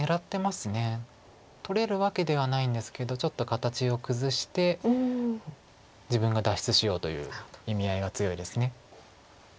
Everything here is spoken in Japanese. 取れるわけではないんですけどちょっと形を崩して自分が脱出しようという意味合いが強いです。